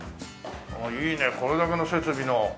いいねこれだけの設備の。